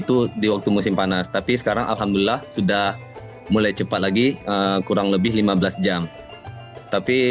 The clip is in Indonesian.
itu di waktu musim panas tapi sekarang alhamdulillah sudah mulai cepat lagi kurang lebih lima belas jam tapi